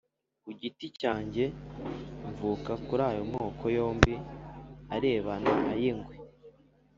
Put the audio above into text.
Ku giti cyanjye, mvuka kuri ayo moko yombi arebana ay'ingwe